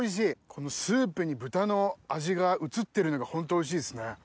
このスープに豚の味が移ってるのがホントおいしいですね。